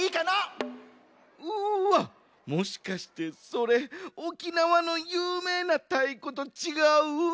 うわっもしかしてそれ沖縄のゆうめいなたいことちがう？